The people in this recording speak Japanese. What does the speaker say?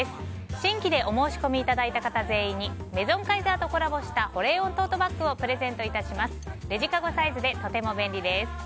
新規でお申し込みいただいた方全員にメゾンカイザーとコラボした保冷温トートバッグをプシュ！